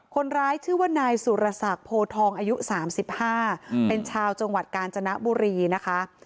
คนร้ายชื่อว่านายสุรศักดิ์โพทองอายุ๓๕เป็นชาวจังหวัดกาญจนบุรีนะคะ